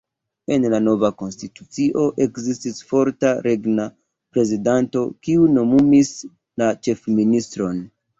En la nova konstitucio ekzistis forta regna prezidanto, kiu nomumis la ĉefministron.